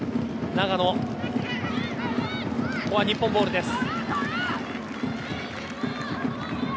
ここは日本ボールです。